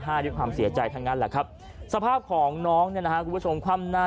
ด้วยความเสียใจทั้งนั้นแหละครับสภาพของน้องเนี่ยนะฮะคุณผู้ชมคว่ำหน้า